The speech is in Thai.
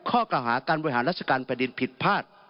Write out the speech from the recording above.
ข้อกล่าวหาการปรวยหารัฐกรรมปฏิปิศาทิบายผิดพลาด